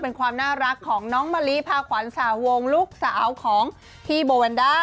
เป็นความน่ารักของน้องมะลิพาขวัญสาวงลูกสาวของพี่โบวันด้า